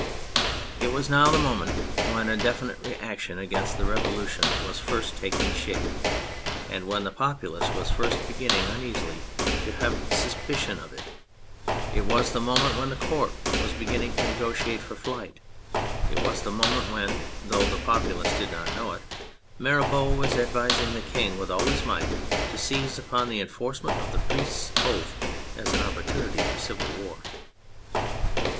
It was now the moment when a definite reaction against the Revolution was first taking shape, and when the populace was first beginning uneasily to have suspicion of it; it was the moment when the Court was beginning to negotiate for flight; it was the moment when (though the populace did not know it) Mirabeau was advising the King with all his might to seize upon the enforce ment of the priests' oath as an opportunity for civil war.